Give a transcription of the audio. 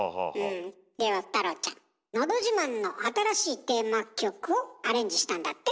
では太郎ちゃん「のどじまん」の新しいテーマ曲をアレンジしたんだって？